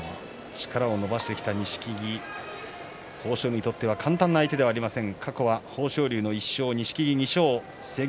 力を伸ばしてきた錦木豊昇龍にとっては簡単な相手ではありません。